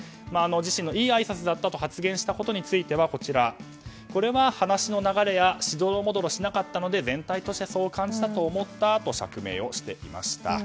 自身のいいあいさつだったと発言したことについてはこれは、話の流れやしどろもどろしなかったので全体としてそう感じたと思ったと釈明をしていました。